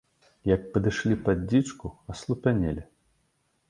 Як падышлі пад дзічку, аслупянелі.